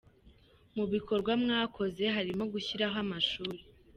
Mu bikorwa mwakoze harimo gushyiraho amashuri.